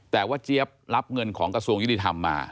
แต่ว่าเจี๊ยบรับเงินของกระทรวงยุติธรรมมา